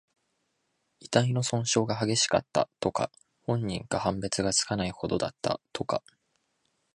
遺体の損傷が激しかった、とか。本人か判別がつかないほどだった、とか。